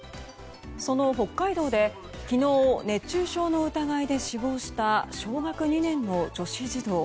その北海道で昨日、熱中症の疑いで死亡した小学２年の女子児童。